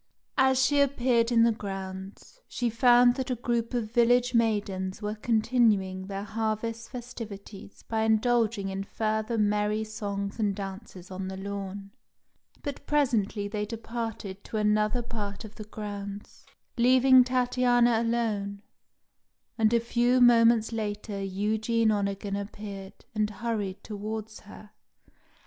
As she appeared in the grounds, she found that a group of village maidens were continuing their harvest festivities by indulging in further merry songs and dances on the lawn; but presently they departed to another part of the grounds, leaving Tatiana alone, and a few moments later Eugene Onegin appeared and hurried towards her.